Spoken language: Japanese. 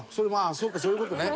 そうかそういう事ね。